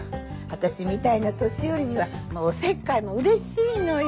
私みたいな年寄りにはおせっかいもうれしいのよ。